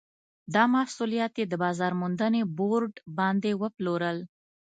دا محصولات یې د بازار موندنې بورډ باندې وپلورل.